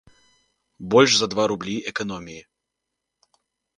Больш за два рублі эканоміі.